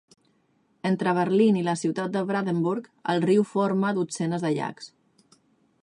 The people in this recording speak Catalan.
Entre Berlín i la ciutat de Brandenburg, el riu forma dotzenes de llacs.